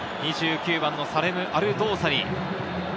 ２９番のサレム・アルドーサリ。